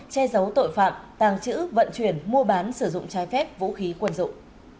che giấu tội phạm tàng trữ vận chuyển mua bán sử dụng trái phép vũ khí quân dụng